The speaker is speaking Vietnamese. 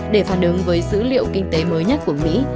để phản ứng với dữ liệu kinh tế mới nhất của mỹ